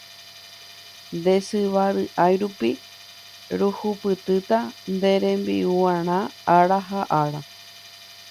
Nde syva ry'ái rupi ruhupytýta ne rembi'urã ára ha ára.